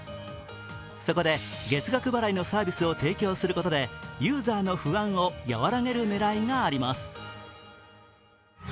そこで月額払いのサービスを提供することでユーザーの不安を和らげる狙いがあります。